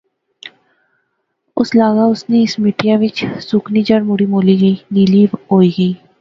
اس لاغا اس نی اس مٹیا وچ سکنی جڑ مڑی مولی گئی، نیلی ہوئی گئی